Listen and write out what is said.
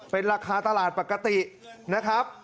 เป็นราคาตลาดปกตินะครับ